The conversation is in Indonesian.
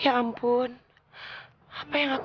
tidak ini memang terjadi